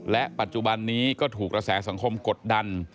และปัจจุบันนี้ก็ถูกกระแสสังคมกดดัน